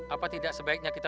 apa tidak sebaiknya kita